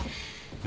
何？